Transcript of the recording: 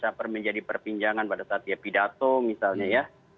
pada saat misalnya menjadi perpinjangan pada saat ya pidato misalnya ya